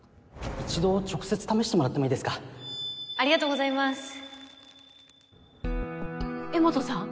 一度直接試してもらってもいいですかありがとうございます江本さん？